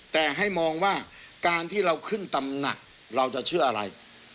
แต่ให้มองว่าการที่เราขึ้นตำหนักเราจะเชื่ออะไร